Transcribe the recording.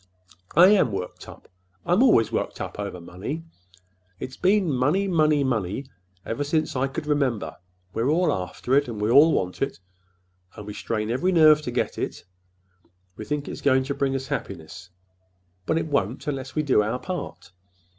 "I am worked up. I'm always worked up—over money. It's been money, money, money, ever since I could remember! We're all after it, and we all want it, and we strain every nerve to get it. We think it's going to bring us happiness. But it won't—unless we do our part.